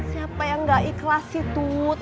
siapa yang gak ikhlas sih tut